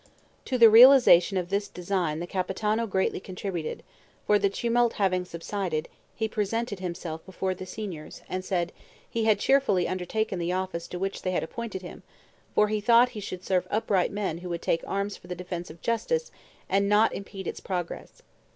To the realization of this design the Capitano greatly contributed, for the tumult having subsided, he presented himself before the signors, and said "He had cheerfully undertaken the office to which they had appointed him, for he thought he should serve upright men who would take arms for the defense of justice, and not impede its progress.